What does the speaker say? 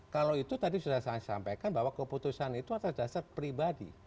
kalau itu tadi sudah saya sampaikan bahwa keputusan itu atas dasar pribadi